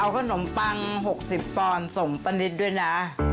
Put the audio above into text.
เอาขนมปัง๖๐ปอนด์ส่งป้านิตด้วยนะ